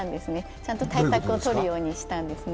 ちゃんと対策を取るようにしたんですね。